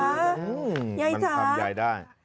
มันทำยายได้